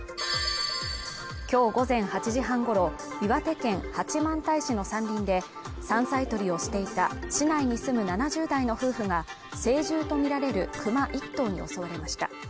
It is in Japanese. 今日午前８時半ごろ、岩手県八幡平市の山林で山菜採りをしていた市内に住む７０代の夫婦が成獣とみられるクマ１頭に襲われました。